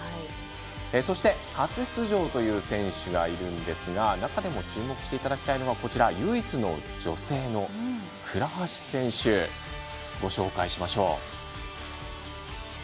そして、初出場という選手がいるんですが、中でも注目していただきたいのが唯一の女性の倉橋選手ご紹介しましょう。